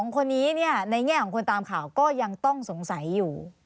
๒คนนี้ในแง่ของคนตามข่าวก็ยังต้องสงสัยอยู่